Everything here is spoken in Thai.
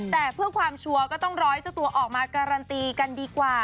แต่เพื่อความชัวร์ก็ต้องรอให้เจ้าตัวออกมาการันตีกันดีกว่า